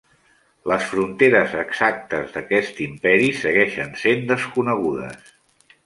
Les fronteres exactes d'aquest imperi segueixen sent desconegudes.